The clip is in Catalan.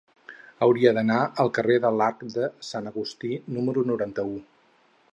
Hauria d'anar al carrer de l'Arc de Sant Agustí número noranta-u.